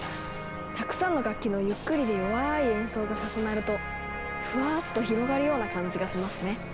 たくさんの楽器のゆっくりで弱い演奏が重なるとふわっと広がるような感じがしますね。